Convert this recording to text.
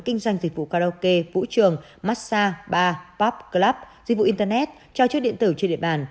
kinh doanh dịch vụ karaoke vũ trường massage bar pub club dịch vụ internet cho chứa điện tử trên địa bàn